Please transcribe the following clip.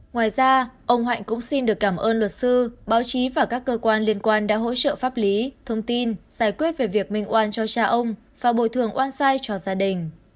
ngoài ra ông hạnh cũng xin được cảm ơn luật sư báo chí và các cơ quan liên quan đã hỗ trợ pháp lý thông tin giải quyết về việc minh oan cho cha ông và bồi thường oan sai cho gia đình